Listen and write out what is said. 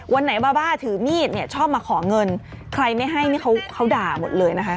วันไหนบ้าบ้าถือมีดเนี่ยชอบมาขอเงินใครไม่ให้นี่เขาด่าหมดเลยนะคะ